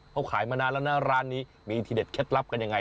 เขาขายมานานแล้วนะร้านนี้มีทีเด็ดเคล็ดลับกันยังไง